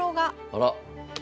あら。